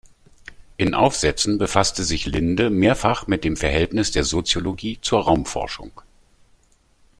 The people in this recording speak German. In Aufsätzen befasste sich Linde mehrfach mit dem Verhältnis der Soziologie zur Raumforschung.